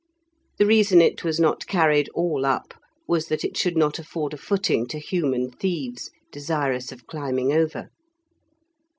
The reason it was not carried all up was that it should not afford a footing to human thieves desirous of climbing over.